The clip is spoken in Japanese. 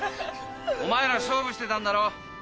お前ら勝負してたんだろ？